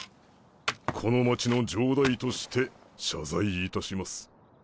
この街の城代として謝罪いたします。